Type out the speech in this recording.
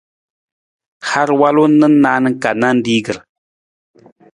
Har walu na naan ka nanrigir.